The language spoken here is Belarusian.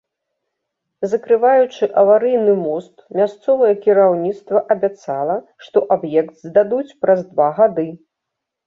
Закрываючы аварыйны мост, мясцовае кіраўніцтва абяцала, што аб'ект здадуць праз два гады.